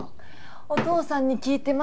お父さんに聞いてます。